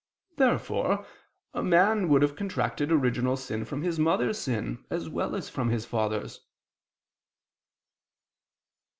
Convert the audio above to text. Therefore a man would have contracted original sin from his mother's sin as well as from his father's.